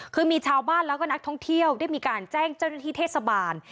คือมีชาวบ้านแล้วก็นักท่องเที่ยวได้มีการแจ้งเจ้าหน้าที่เทศบาล